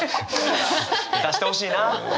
出してほしいな！